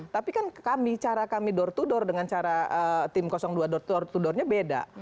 tapi kan kami cara kami door to door dengan cara tim dua door to doornya beda